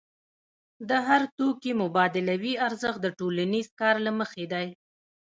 د هر توکي مبادلوي ارزښت د ټولنیز کار له مخې دی.